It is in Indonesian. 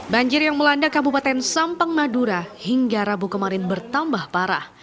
banjir yang melanda kabupaten sampang madura hingga rabu kemarin bertambah parah